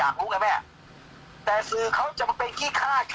แม่ยังคงมั่นใจและก็มีความหวังในการทำงานของเจ้าหน้าที่ตำรวจค่ะ